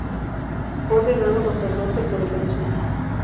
Fue ordenado Sacerdote por el Excmo.